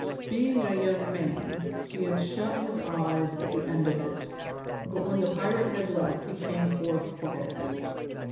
Being a young man, he had shut his eyes at the end of it, but when the pirate had left he came forth quietly.